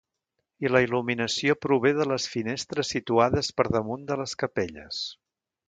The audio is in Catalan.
I la il·luminació prové de les finestres situades per damunt de les capelles.